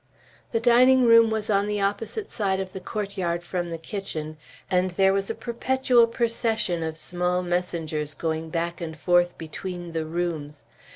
The dining room was on the opposite side of the courtyard from the kitchen, and there was a perpetual procession of small messengers going back and forth between the rooms.